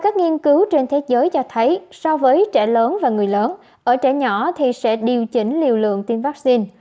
các nghiên cứu trên thế giới cho thấy so với trẻ lớn và người lớn ở trẻ nhỏ thì sẽ điều chỉnh liều lượng tiêm vaccine